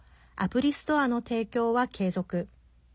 アプリストアの提供は継続。